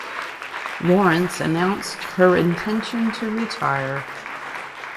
Lawrence announced her intention to retire.